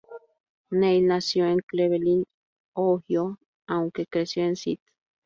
Neil nació en Cleveland, Ohio, aunque creció en St.